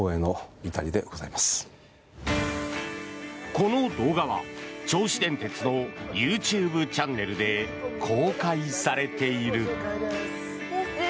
この動画は銚子電鉄のＹｏｕＴｕｂｅチャンネルで公開されている。